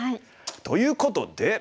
ということで。